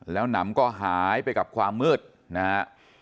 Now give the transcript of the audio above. แล้วหนำก็หายไปกับความมืดนะฮะ